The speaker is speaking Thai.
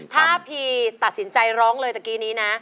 ถ้าพีตัดสินใจร้องเลยตะกี้นี้นะ